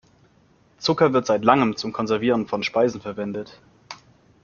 Zucker wird seit langem zum Konservieren von Speisen verwendet.